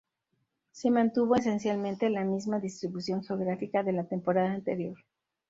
Se mantuvo esencialmente la misma distribución geográfica de la temporada anterior.